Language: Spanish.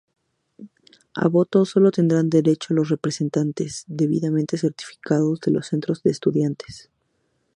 A voto sólo tendrán derecho los representantes, debidamente certificados, de los centros de estudiantes.